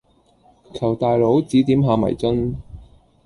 求大佬指點下迷津